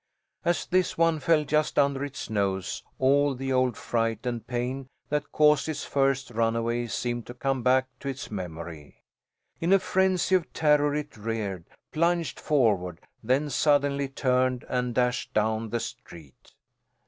As this one fell just under it's nose, all the old fright and pain that caused its first runaway seemed to come back to its memory. In a frenzy of terror it reared, plunged forward, then suddenly turned and dashed down the street.